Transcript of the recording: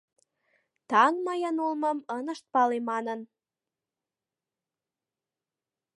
Таҥ мыйын улмым ынышт пале манын